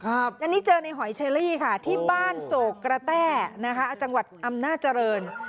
อันนี้เจอในหอยเชอรี่ค่ะที่บ้านโศกกระแต้นะคะจังหวัดอำนาจริง